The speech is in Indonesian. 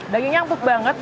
bagenya empuk banget